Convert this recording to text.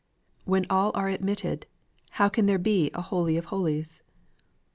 When all are admitted, how can there be a Holy of Holies?